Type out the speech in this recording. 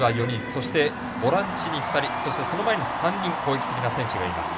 そしてボランチに２人、その前に３人攻撃的な選手がいます。